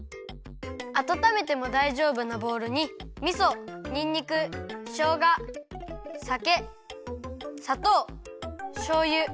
あたためてもだいじょうぶなボウルにみそにんにくしょうがさけさとうしょうゆ